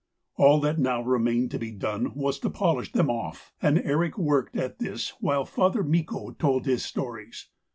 All that now remained to be done was to polish them off, and Erik worked at this while Father Mikko told his stories.